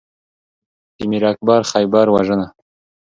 د میر اکبر خیبر وژنه